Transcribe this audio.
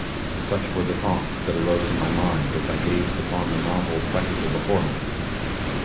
Such were the thoughts that arose in my mind as I gazed upon the novel spectacle before me.